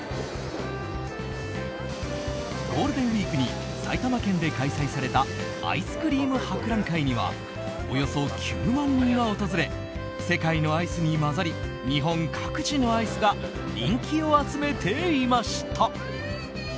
ゴールデンウィークに埼玉県で開催されたアイスクリーム博覧会にはおよそ９万人が訪れ世界のアイスに交ざり日本各地のアイスが人気を集めていました。